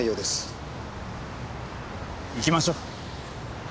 行きましょう。